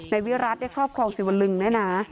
วิรัติได้ครอบครองสิวลึงด้วยนะ